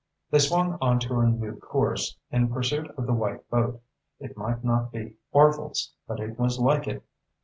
They swung onto a new course, in pursuit of the white boat. It might not be Orvil's, but it was like it.